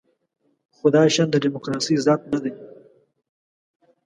خو دا شیان د دیموکراسۍ ذات نه دی.